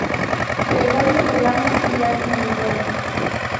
Gregorio Del Amo y Ana Monroy.